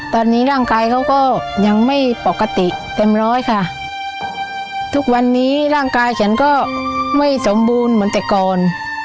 ตอนนี้ร่างกายเขาก็ยังไม่ปกติเต็มร้อยค่ะทุกวันนี้ร่างกายฉันก็ไม่สมบูรณ์เหมือนแต่ก่อน